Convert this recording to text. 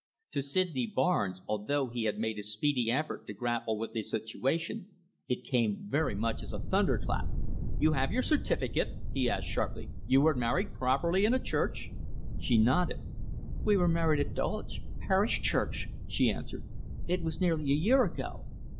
To Sydney Barnes, although he made a speedy effort to grapple with the situation, it came very much as a thunderclap. "You have your certificate?" he asked sharply. "You were married properly in a church?" She nodded. "We were married at Dulwich Parish Church," she answered. "It was nearly a year ago."